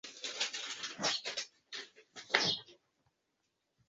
abbott alikuwa mshiriki wa kikosi cha wokovu